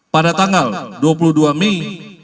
pada tanggal dua puluh dua mei dua ribu dua puluh satu